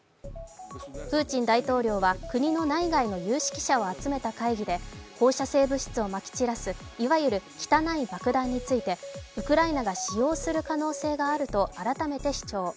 プーチン大統領は国の内外の有識者を集めた会議で放射性物質をまき散らすいわゆる汚い爆弾についてウクライナが使用する可能性があると改めて主張。